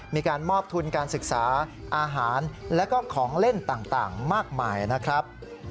มีการมอบทุนการศึกษาอาหารแล้วก็ของเล่นต่างมากมายนะครับ